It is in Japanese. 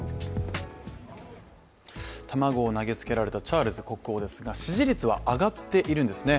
卵を投げつけられたチャールズ国王ですが、支持率は上がっているんですね。